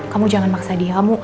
kamu jangan maksa dia